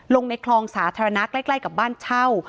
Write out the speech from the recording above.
ลงในคลองสาธารณะใกล้กับบ้านเช่า